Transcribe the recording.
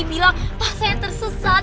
bilang pak saya tersesat